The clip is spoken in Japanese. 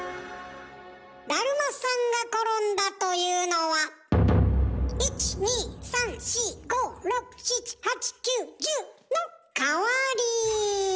「だるまさんがころんだ」というのは１２３４５６７８９１０！の代わり。